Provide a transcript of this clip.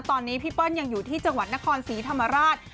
ตอนนี้พี่เปิ้ลยังอยู่ที่จังหวัดนครศรีธรรมราช